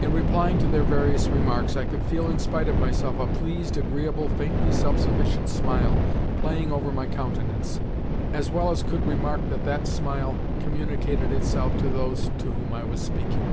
In replying to their various remarks I could feel, in spite of myself, a pleased, agreeable, faintly self sufficient smile playing over my countenance, as well as could remark that that smile, communicated itself to those to whom I was speaking.